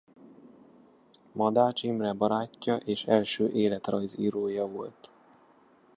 Madách Imre barátja és első életrajzírója volt.